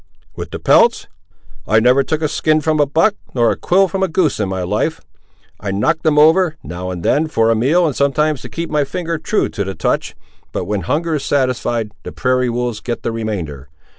"With my pelts! I never took a skin from a buck, nor a quill from a goose, in my life! I knock them over, now and then, for a meal, and sometimes to keep my finger true to the touch; but when hunger is satisfied, the prairie wolves get the remainder.